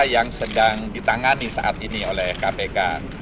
yang sedang ditangani saat ini oleh kpk